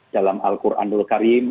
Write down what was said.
dalam al quranul karim